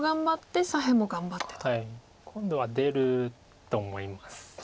今度は出ると思います。